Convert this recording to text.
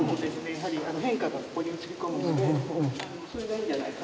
やはり変化がここに映り込むのでそれがいいんじゃないかと。